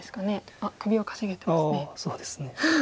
あそうですね。